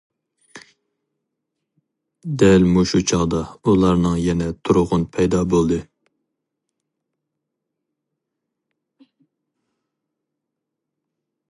دەل مۇشۇ چاغدا ئۇلارنىڭ يەنە تۇرغۇن پەيدا بولدى.